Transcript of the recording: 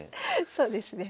そうですね。